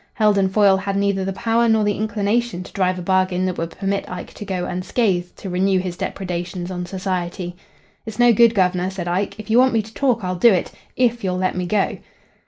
Heldon Foyle had neither the power nor the inclination to drive a bargain that would permit Ike to go unscathed to renew his depredations on society. "It's no good, guv'nor," said Ike. "If you want me to talk I'll do it if you'll let me go."